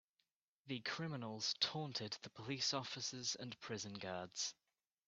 The criminals taunted the police officers and prison guards.